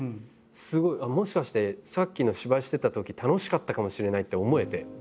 すごいもしかしてさっきの芝居してたとき楽しかったかもしれないって思えて。